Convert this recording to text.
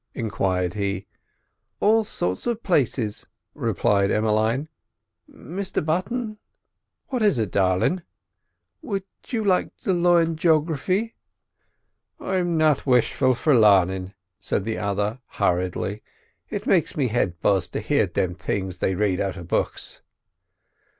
enquired he. "All sorts of places," replied Emmeline. "Mr Button!" "What is it, darlin'?" "Would you like to learn g'ography?" "I'm not wishful for larnin'," said the other hurriedly. "It makes me head buzz to hear them things they rade out of books."